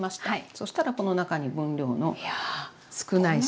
そしたらこの中に分量の少ない塩。